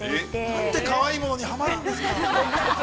◆なんてかわいいものにはまるんですか！